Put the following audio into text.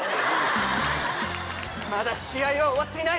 まだ試合は終わっていない！